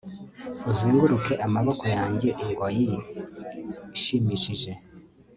Uzenguruke amaboko yanjye ingoyi ishimishije